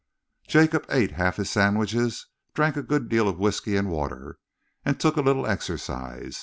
Jacob ate half his sandwiches, drank a good deal of whisky and water, and took a little exercise.